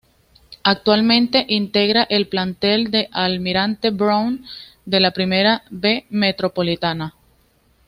Actualmente integra el plantel del Almirante Brown, de la Primera B Metropolitana.